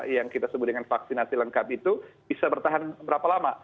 yang kita sebut dengan vaksinasi lengkap itu bisa bertahan berapa lama